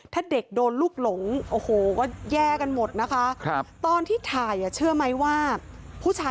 ถ้าเด็กโดนลูกหลงโอ้โฮก็แย่กันหมดนะคะ